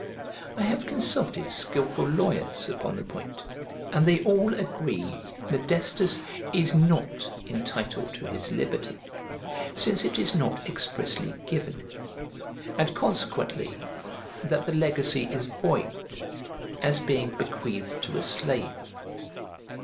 I have consulted skilful lawyers upon the point, and they all agree Modestus is not entitled to his liberty, since it is not expressly given, and consequently that the legacy is void, as being bequeathed to a slave.